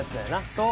そう。